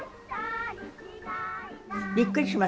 びっくりします。